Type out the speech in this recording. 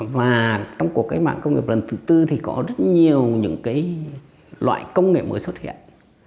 và trong cuộc cách mạng công nghiệp lần thứ tư thì có rất nhiều những cái loại công nghệ mới xuất hiện